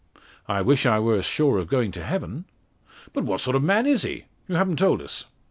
"I wish I were as sure of going to heaven." "But what sort of man is he? you haven't told us."